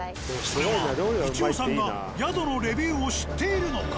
それは一夫さんが宿のレビューを知っているのか。